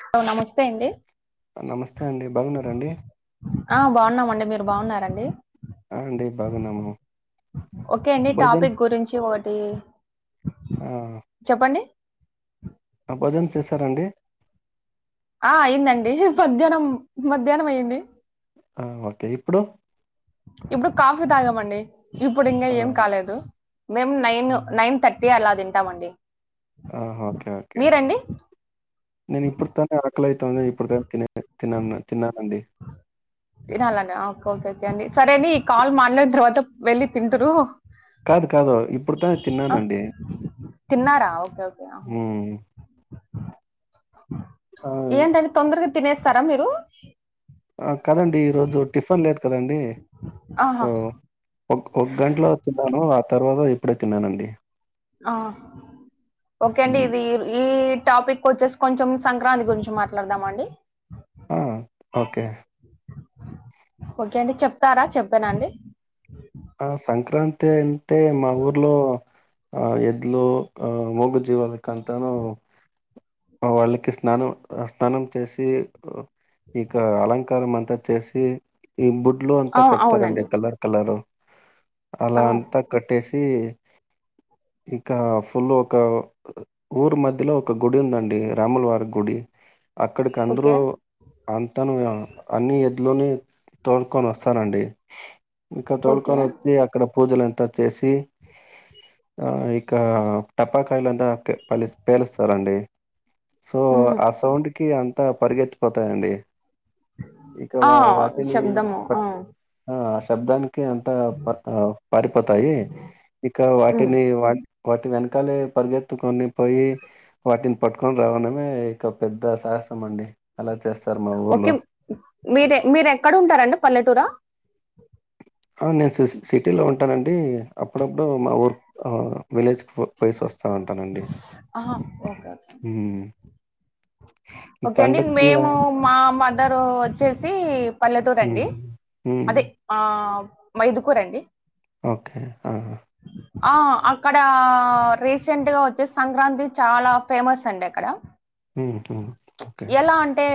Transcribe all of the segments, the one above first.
Hello నమస్తే అండి నమస్తే అండి బాగున్నారా అండి ఆ బాగున్నామండి మీరు బాగున్నరా అండి ఆ అండి బాగున్నాము ఓకే అండి భోజన్ టాపిక్ గురించి ఒట్ టి ఆ చెప్పండి ఆ భోజనం చేసారా అండి ఆ అయిందండి మధ్యాహ్నం మధ్యాహ్నం అయ్యింది ఓకే ఇప్పుడు ఇప్పుడు కాఫీ తాగమండి ఇప్పుడు ఇంకా ఆ! ఏం కాలేదు మేము నైన్ నైన్తట్టి అలా తింటమ్ అండి ఆ ఓకే ఓకే నేను ఇప్పుడు తో ఆక్లై ంది ఇప్పుడు తిన తినన్న తిన్నానండి ఆ తినాల అండి ఓకే ఓకే ఓకే అండి సరే ఈ కాల్ మాట్లాడిన తర్వాత వెళ్ళి తిందురు కాదు కాదు ఇప్పుడు తోనే తిన్నానండి తిన్నారా ఓకే ఓకే హ్మ్. ఆ! ఏంటండి తొందరగా తినేస్తారా మీరు కాదండి ఈరోజు టిఫిన్ లేదు కదండి సో ఆహా ఒక ఒక్క గంటలో తిన్నాను ఆ తర్వాత ఇప్పుడే తిన్నానండి ఆ ఓకే అండి హ్మ్. ఇది ఈ టాపిక్ వచ్చేసి కొంచెం సంక్రాంతి గురించి మాట్లాడదామ అండి ఆ ఓకే ఓకే అండి చెప్తారా చెప్పానా అండి ఆ సంక్రాంతి అంటే మా ఊర్లో ఆ ఎద్దులు ఆ ముగ జీవాలకాంతనూ వాళ్ళకి స్నానం స్నానం చేసి ఇక అలంకారం అంతా చేసి ఈ బుడ్లు ఆ, అంతా కడతారండి అవునండి కలర్ కలరు అలా ఆ, అంతా కట్టేసి ఇంకా ఫుల్ ఒక ఊరు మధ్యలో ఒక గుడి ఉందండి రాములవారి గుడి అక్కడికి అందరూ ఓకే అంతను అన్ని ఎద్దులను తోడ్కొని వస్తారండి ఇంకా తోడ్ ఓకే అక్కడ పూజలంతా చేసి ఇక టప్పాకాయలుంతా పె పలు పేలుస్తారంండి సో ఉ ఆ సౌండ్ కి అంతా పరిగెత్తిపోతాయండి ఇక ఆ, వా వాటిని శబ్దము ప ఆ, ఆ శబ్దానికి అం అంత ప పారిపోతాయి ఇక ఉమ్. వాటిని వా వాటి వెనకాలే పరిగెత్తుకొని పోయి వాటిని పట్టుకొని రావడమే ఇక పెద్ద సాహసం అండి అలా చేస్తారు మా ఓకే ఊర్లో మీరే మీరెక్కడుంటారండి పల్లెటూరా నేను సి సిటీలో ఉంటానండి అప్పుడప్పుడు మా ఊర్క్ విలేజ్ పో పోయేసి వస్తానుంటానండి ఆహా, ఓకే ఓకే ఓకే అండి మేము ఆహ్, మా మదర్ వచ్చేసి పల్లెటూరు హ్మ్. అండి హ్మ్. అదే మైదుకూరండి ఓకే ఆ అక్కడ రీసెంట్గా వచ్చేస్ సంక్రాంతి చాలా ఫేమస్ అండి అక్కడ ఓకే ఎలా అంటే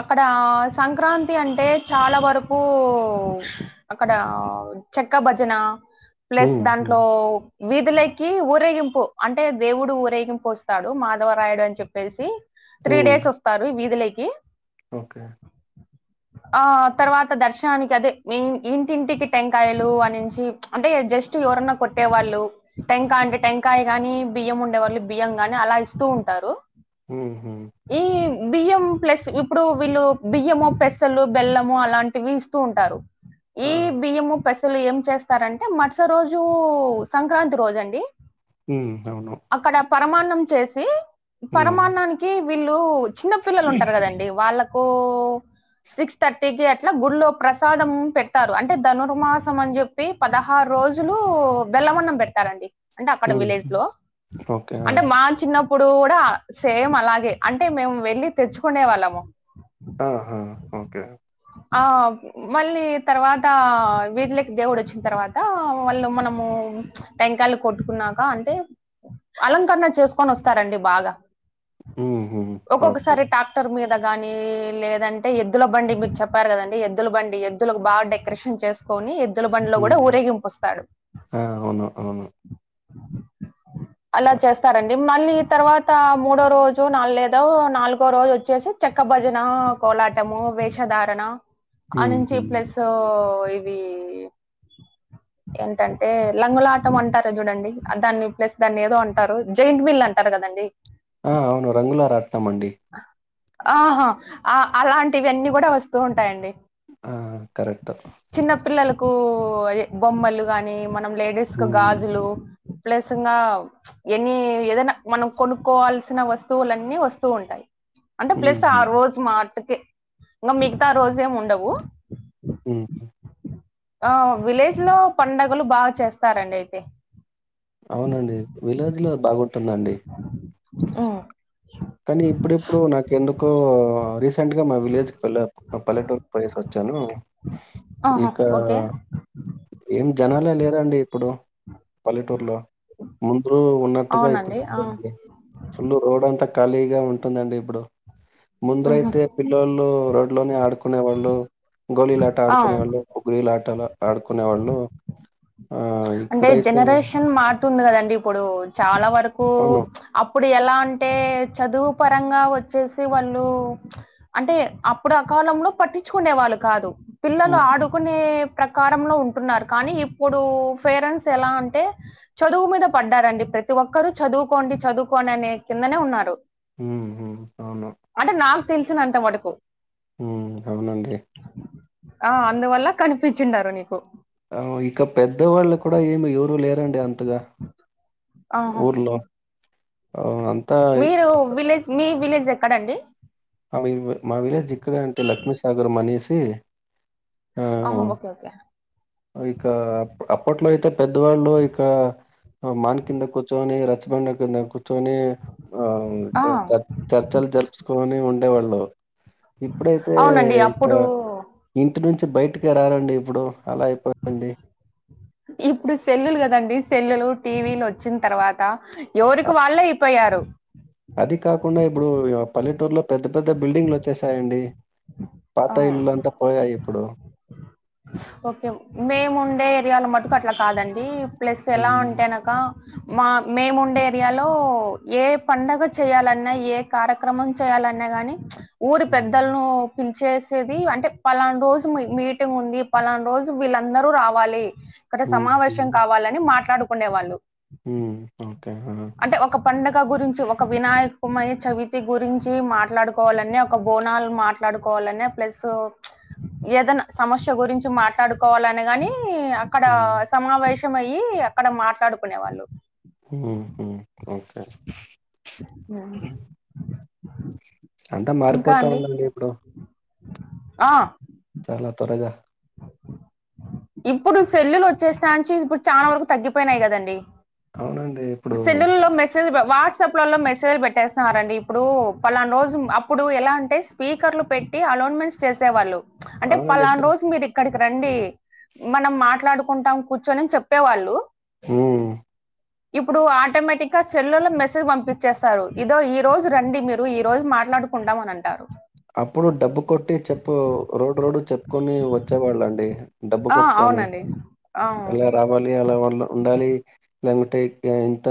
అక్కడ సంక్రాంతి అంటే చాలా వరకు అక్కడ చెక్క భజన ప్లస్ హ్మ్. హ్మ్. దాంట్లో వీధులకి ఊరేగింపు అంటే దేవుడు ఊరేగింపు వస్తాడు మాధవరాయుడు అని చెప్పేసి త్రీ హ్మ్. డేస్ వస్తారు వీధిలోకి ఓకే ఆ ఆ తర్వాత దర్శనానికి అదే ఇంటింటికి టెంకాయలు అ నుంచి అంటే జస్ట్ ఇవరన్నా కొట్టేవాళ్ళు టెంకాయ అంటే టెంకాయ గానీ బియ్యం ఉండే వాళ్ళు బియ్యం కానీ అలా ఇస్తూ ఉంటారు ఉహు ఈ బి య్యం ప్లస్ ఇప్పుడు వీళ్ళు బియ్యము పెస్సలు బెల్లము అలాంటివి ఇస్తూ ఉంటారు ఈ ఆ! బియ్యము పెస్సలు ఏం చేస్తారంటే మరుసటీ రోజు సంక్రాంతి రోజు అండి ఉ అవును అక్కడ పరమాన్నం చేసి హ్మ్. పరమాన్నానికి వీళ్ళు చిన్న పిల్లలు ఉంటారు కదండి వాళ్ళకు సిక్స్ థర్టీ కి అట్లా గుళ్లో ప్రసాదం పెడతారు అంటే ధనుర్మాసం అని చెప్పి పదహారు రోజులు రోజులు బేల్లంఅన్నం పేడ్తరండి అంటే అక్కడ హ్మ్. విలేజ్ లో ఓకే. ఆ! అంటే మా చిన్నప్పుడు కూడా సేమ్ అలాగే అంటే మేము వెళ్ళి తెచ్చుకునే వాళ్ళము అహ ఓకే ఆ మళ్ళీ తర్వాత వీదిలోకి దేవుడు వచ్చిన తర్వాత వాళ్ళు మనము టెంకాయలు కొట్టుకున్నాక అంటే అలంకరణ చేసుకొని వస్తారండి బాగా హ్మ్. హ్మ్. ఓకే. ఒక్కొక్కసారి టాక్ క్టార్ మీద కానీ లేదంటే ఎద్దుల బండి మీరు చెప్పారు కదండి ఎద్దుల బండి ఎద్దులకు బాగా డెకొరేషన్ చేసు కోని ఎద్దుల బండ్లో కూడా హ్మ్. ఊరేగింపుస్తంది ఆ అవును అవును అలా చేస్తారండి మళ్ళీ తర్వాత మూడో రోజు న లేదా నాలుగో రోజు వచ్చేసి చక్క భజన కోలాటము వేషధారణ ఆ హ్మ్. నుంచి హ్మ్. ప్లస్ లొ ఇవి ఏంటంటే లంగుల ఆటం అంటార్ చూడండి దాన్ని ప్లస్ దాన్ని ఏదో అంటారు జయింట్ వీల్ అంటారు కదండి ఆ అవును రంగులరాట్నం అండీ ఆహా ఆ అలాంటివన్నీ కూడా వస్తూ ఉంటాయండి ఆ కరెక్ట్ చిన్న పిల్లలకు అదే బొమ్మలు గాని మనం లేడీస్ కు హ్మ్. గాజులు ప్లస్ సింగా ఎన్ని ఏదైనా మనం కొనుక్కోవాల్సిన వస్తువులన్నీ వస్తూ ఉంటాయి అంటే ప్లస్ ఆ హుహు. రోజు మాటుకే ఇంకా మిగతా రోజ్ ఏమి ఉండవు హమ్ ఆ విలేజ్ లో పండగలు బాగా చేస్తారండి అయితే అవునండి విలేజ్ లో బాగుంటుందండి ఉమ్ కానీ ఇప్పుడిప్పుడు నాకు ఎందుకో రీసెంట్‌గా మా విలేజ్ కి వెళ్ళాను మా పల్లెటూరికి పోయేసి వచ్చాను ఆహా ఓకే ఏం జనాలే లేరాండి ఇప్పుడు పల్లెటూర్లో ముందురు ఉన్నట్టుగా ఇప్పుడు అవునండి ఆ. [unintelligible] ఫుల్ రోడ్ అంతా ఖాళీగా ఉంటుందండి ఇప్పుడు ఉహు. ముందరైతే పిల్లోల్లు రోడ్లోనే ఆడుకునే వాళ్ళు గోలీలాట ఆ ఆడుకునేవాళ్ళు ఓగిరిల్ల ఆటల ఆడుకునే వాళ్ళు ఆ అంటే జనరేషన్ మారుతుంది కదండి ఇప్పుడు చాలా వరకు అవును. అప్పుడు ఎలా అంటే చదువు పరంగా వచ్చేసి వాళ్ళు అంటే అప్పుడు ఆ కాలంలో పట్టిచుకునే వాళ్ళు కాదు పిల్లలు హ్మ్. ఆడుకునే ప్రకారంలో ఉంటున్నారు కానీ ఇప్పుడు పేరెంట్స్ ఎలా అంటే చదువు మీద పడ్డారండి ప్రతి ఒక్కరూ చదువుకోండి చదువుకోండి అనే కిందనే ఉన్నారు హ్మ్ హు అవును అంటే నాకు తెలిసినంత మటుకు హ్మ్ అవునండి ఆ అందువల్ల కనిపిచిండరు నీకు ఆ ఇక పెద్దవాళ్ళు కూడా ఏమి యూ రు లేరండి అంతగా ఆహా! ఊర్లో ఆ అన్ మీరు విలేజ్ మీ విలేజ్ ఎక్కడండి అవి ఇవ్ మా విలేజ్ ఇక్కడే అంటే లక్ష్మీ సాగరం అనేసి ఆ ఆహ్, ఓకే ఓకే ఇక అప్ అప్పట్లో అయితే పెద్దవాళ్ళు ఇక ఆ మాన్ కింద కూచ్చోని రచ్చబండ కింద కూ చ్చోని ఆ ఆ! చ చర్చలు జరుపుకొని ఉండేవాళ్ళు ఇప్పుడైతే అవునండి. ఇక అప్పుడు ఇంటి నుంచి బయటికే రారండి ఇప్పుడు అలా అయిపోయిందండి ఇప్పుడు సెల్లులు కదండి సెల్లులు టీ వీ లు వచ్చిన తర్వాత అ ఎవరికి వాళ్ళు అయిపోయారు అది కాకుండా ఇప్పుడు ఇగ పల్లెటూరులో పెద్ద పెద్ద బిల్డింగ్లు వచ్చేసాయండి పాత ఆ! ఇల్లులంతా పోయాయ్ ఇప్పుడు ఓకే మేము ఉండే ఏరియాల మటుకు అట్లా కాదండి ప్లస్ ఎలా హుహు. అంటే అనక మా మేముండే ఏరియాలో ఏ పండగ చేయాలన్నా ఏ కార్యక్రమం చేయాలన్నా గాని ఊరి హ్మ్. పెద్దలను పిలిచేసేది అంటే పలానా రోజు మీ మీట్ టింగ్ ఉంది పలానా రోజు వీళ్ళందరూ రావాలి అక్కడ హ్మ్. సమావేశం హ్మ్. కావాలని మాట్లాడుకునేే వాళ్ళు హ్మ్ ఓకే ఆ అంటే ఒక పండగ గురించి ఒక వినాయకమై చవితి గురించి మాట్లాడుకోవాలనా ఒక బోనాలు మా ట్లాడుకోవాలన్యా ప్లసూ ఏదన్న సమస్య గురించి మాట్లాడుకోవాలని గాని అక్కడ హ్మ్. సమావేస్ శం అయి అక్కడ మాట్లాడుకునే వాళ్ళు హ్మ్ హు ఓకే మ్మ్ అంతా ఇంకా మారిపోతా అండి. ఉందండి ఇప్పుడు ఆ చాలా త్వరగా ఇప్పుడు సెల్లులు వచ్చేసినకడ్నుండ్చి ఇప్పుడు చాలా వరకు తగ్గిపోయినాయి కదండి అవునండి ఇప్పుడు సెలూన్ లో మెస్ వాట్సాప్లలో మెసేజ్ పెట్టేస్తున్నారండి ఇప్పుడు పలానా రోజు అప్పుడు ఎలా అంటే స్పీకర్లు పెట్టి అలోన్మెంట్స్ చేసేవాళ్ళు అంటే అవునండి. పలానా ఇప్పుడు రోజ్ మీరీ ఇక్కడికి రండి మనం మాట్లాడుకుంటాం కూర్చొని అని చెప్పేవాళ్ళు ఊ ఇప్పుడు ఆటోమేటిక్ గా సెల్లో మెసేజ్ పంపించేస్తారు. ఇదో ఈ రోజు రండి మీరు ఈ రోజు మాట్లాడుకు కుంటాం అనంటారు అప్పుడు డప్పు కొట్టి చెప్పు రోడ్ రోడ్ చెప్పుకొని వచ్చేవాళ్ళండి డబ్బు ఆ కొట్టుకొని అవునండి ఆ, అలా రావాలి అలా ఉండాలి ఒకటే ఇంత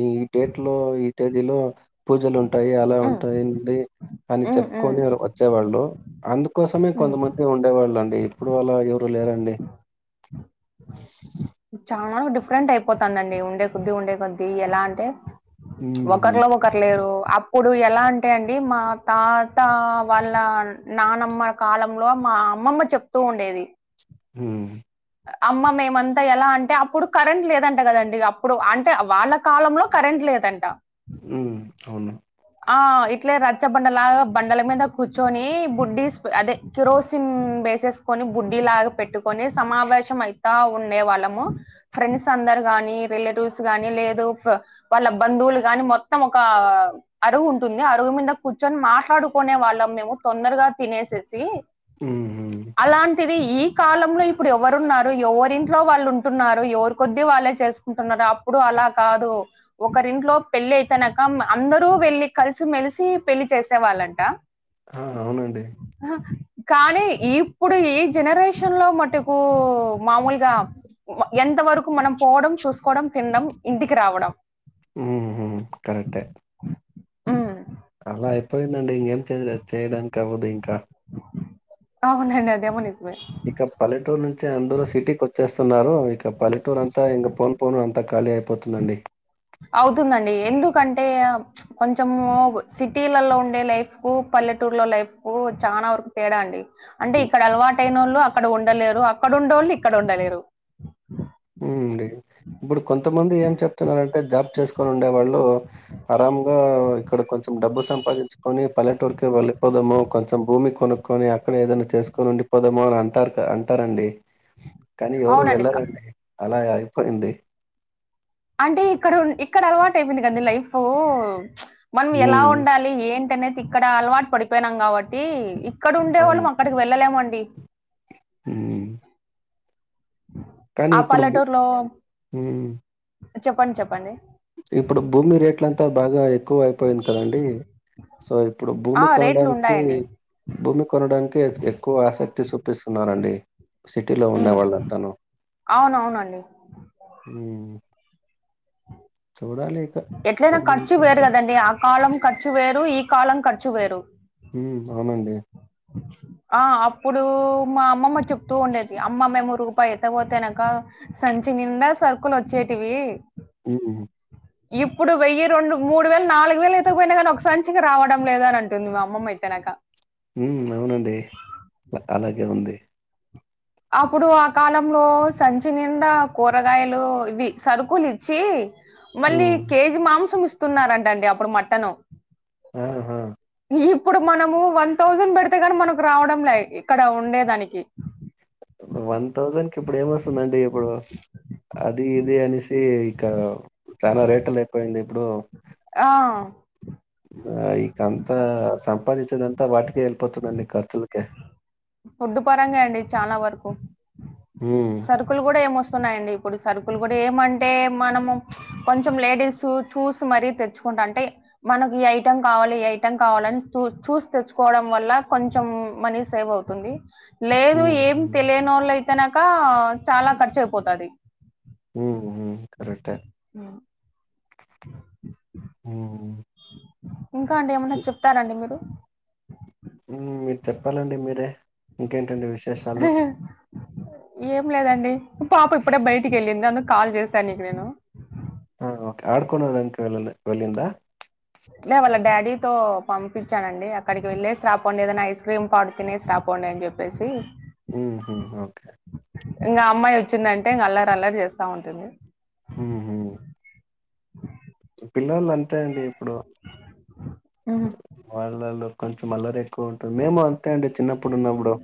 ఈ డేట్ లో ఈ తేదీలో పూజలుంటాయి అలా ఉమ్, ఉంటాయేంది ఉమ్, ఉమ్, చెప్పుకొలేరు వచ్చేవాళ్ళు అందుకోసమే ఉమ్. కొంతమం ఉండేవాళ్ళండి ఇప్పుడు అలా ఎవరు లేరండి చానా డిఫరెంట్ అయిపోతందండి ఉండే కొద్ది ఉండే కొద్ది ఎలా అంటే హ్మ్. ఒకరిలో ఒకరు లేరు అప్ అప్పుడు ఎలా అంటే అండి మా తాత వాళ్ళ నానమ్మ కాలంలో మా అమ్మమ్మ చెప్తూ ఉండేది. ఊ అమ్మ మేమంతా ఎలా అంటే అప్పుడు కరెంట్ లేదంట కదండి అప్పుడు అంటే వాళ్ళక్ కాలంలో కరెంట్ లేదంట ఉ అవును ఆ ఇట్లే రచ్చబండలాగా బండల మీద కూర్చొని బుడ్డిస్ అదే కిరోసిన్ వేసేసుకొని బుడ్డి లాగా పెట్టు కొని సమావేశం అయితా ఉండేవాళ్ళము ఫ్రెండ్స్ అందరు గానీ రిలేటివ్స్ గానీ లేదు ఫా వాళ్ళ బంధువులు గాని మొత్తం ఒక అరుగు ఉంటుంది అరుగు మీద కూర్చొని మాట్లాడుకునే వాళ్ళం మేము తొందరగా తినేసేసి హుహు. అలాంటిది ఈ కాలంలో ఇప్పుడు ఎవరున్నారు ఎవరింట్లో వాళ్ళు ఉంటున్నారు ఎవరి కొద్దీ వాళ్ళే చేస్ కుంటున్నారు‌ అప్పుడు అలా కాదు‌ ఒకరింట్లో పెళ్లి అయితే నక అందరు టు వెళ్ళి కలిసి మెలిసి పెళ్లి చేసేవాళ్ళంట ఆ అవునండి కానీ ఈ ఇప్పుడు ఈ జనరేషన్ లో మటుకు మామూలుగా ఎంత వరకు మనం పోవడం, చూసుకోవడం, తిండం ఇంటికి రావడం. ఉహు కరెక్టే ఊ అలా అయిపోయిందండి ఇంకేం చేయ, చేయడానికవ్వదింకా అవునండి అదేమో నిజమే ఇక పల్లెటూరు నుంచి అందరు సిటీకి వచ్చేస్త తున్నారు ఇక పల్లెటూరు అంతా ఇంకా పోను పోను అంతా ఖాళీ అయిపోతుందండి అవుతుందండి ఎందుకంటే కొంచెము సిటిల్లల్లో ఉండే లైఫ్ కు పల్లెటూర్లో లైఫ్ కు చానా వరకు తేడా అండి అంటే ఇక్కడ అలవాటయినోళ్ళు అక్కడ ఉండలేరు, అక్కడ ఉండేళ్ళు ఇక్కడ ఉండలేరు. హ్మ్. అండి. ఇప్పుడు కొంతమంది ఏం చెప్తున్నారంటే జాబ్ చేసుకొని ఉండే వాళ్ళు ఆరమ్గా ఇక్కడ కొంచెం డబ్బు సంపాదించుకొని పల్లెటూరుకే వెళ్లిపోదాము కొంచెం భూమి కొనుక్కొని అక్కడ ఏదైనా చేసుకొని ఉండి పదమో అని అంటారు క అంటారండి [inaudible] కానీ ఎవరు అవునండి. క వెళ్ళరండి అలాగా అయిపొయింది అంటే ఇక్కడ ఇక్కడ అలవాటు అయిపోయింది కదా లైఫ్ చ్ మనం ఎలా హ్మ్. ఉండాలి ఏంటనేది ఇక్కడ అలవాటు పడిపోయినాం కాబట్టి ఇక్కడ ఉండేవాళ్ళు అక్కడికి వెళ్ళలేమండి ఉం కానీ ఆ ఇప్పుడు భూ పల్లెటూరులో హ్మ్. చెప్పండి చెప్పండి ఇప్పుడు భూమి రేట్లంతా బాగా ఎక్కువ అయిపోయింది కదండి సో ఇప్పుడు ఆ! భూమి కొనడానికి రేట్లుండాయండి. భూమి కొనడానికే ఎక్కువ ఆసక్తి చూపిస్తున్నారండి సిటీలో ఉండే హ్మ్. వాలంతను అవునవునండి. ఉం చూడాలీ ఇక ఎట్లయినా ఏమేమి ఖర్చు వేరు చేస్తారు కదండి ఆ కాలం ఖర్చు వేరు ఈ కాలం ఖర్చు వేరు ఉం అవునండి ఆ ఆ అప్పుడు మా అమ్మమ్మ చెప్తూ ఉండేది అమ్మ మేము రూపాయి ఎత్తక పోతేనాక సంచి నిండా సరుకుల్ వచ్చేటివీ ఉమ్ ఇప్పుడు వెయ్యి రెండు మూడు వేలు నాలుగు వేలు ఎతకపోయినా గానీ ఒకసంచికి రావడం లేద అని అంట నువ్వు అమ్మమ్మా అయితే నాకా ఉమ్ అవునండి అలాగే ఉంది అప్పుడు ఆ కాలంలో సంచి నిండా కూరగాయలు ఇవి సరుకులు ఇచ్చి మళ్ళీ హ్మ్. కేజీ మాంసం ఇస్తున్నారంట అండి అప్పుడు మటన్ ఆహా ఇప్పుడు మనము వన్ థౌసండ్ పెడితే గాని మనకు రావడం లే ఇక్కడ ఉండేదానికి వన్ థౌజండ్ కి ఇప్పుడు ఎమ్ వస్తుందండి ఇప్పుడు అది ఇది అనేసి ఇక చాలా రేట్లు అయిపోయింది ఇప్పుడు ఆ ఆ ఇకంతా సంపాదించిదంతా వాటికే వెళ్ళిపోతుందండి ఖర్చులకే ఫుడ్ పరంగా అండి చాలా వరకు హ్మ్. సరుకులు కూడా ఏమొస్తున్నాయండి అప్పుడు సరుకులు కూడా ఏమంటే మనము కొంచెం లేడీస్ చూస్ మరీ తెచ్చుకుంటా అంటే మనకి ఈ ఐటెం కావాలి ఈ ఐటెం కావాలి అని చూసి తెచ్చుకోవడం వల్ల కొంచెం మనీ సేవ్ అవుతు తుంది లేదు హ్మ్. ఏం హ్మ్. తెలియనోలు అయితేనాక చాలా ఖర్చు అయిపోతది హు హమ్ కరెక్టే ఆ హ్మ్. ఇంకా అండి ఏమన్నా చెప్తారండి మీరు ఉమ్ మీరు చెప్పాలండి మీరే ఇంకేంటండి విషయం హ హ ఏం లేదండి పాప ఇప్పుడే బయటికి వెళ్ళింది అందుకే కాల్ చేశాను నీకు నేను ఆ ఓకే ఆడుకోనడానికి వేల్లలే వెలింద లే వాళ్ళ డాడీతో పంపించానండి అక్కడికి వెళ్లేేసి రాపోండి ఏదైనా ఐస్ క్రీమ్ పాడు తినేసి రాపోండి అని చెప్పి పైసి హూ హమ్ ఇంగ అమ్మాయి వచ్చిందంటే ఇంకా అల్లారి అల్లరి చేస్తా ఉంటుంది ఉహు పిల్లలు అంతే అండి ఇప్పుడు ఉమ్. వాళ్ళులొ కొంచెం అల్లరె కొట్టు మేము అంతే అండి చిన్నప్పుడు ఉన్నప్పుడు